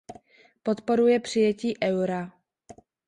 Podporuje přijetí eura.